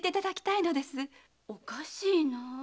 おかしいなあ。